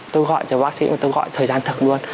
tôi gọi cho bác sĩ và tôi gọi thời gian thật luôn